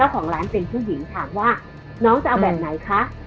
แล้วของร้านเปลี่ยนชูหิงถามว่าน้องจะเอาแบบไหนคะ